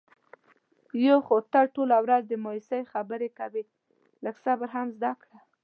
یو خو ته ټوله ورځ د مایوسی خبرې کوې. لږ صبر هم زده کړه.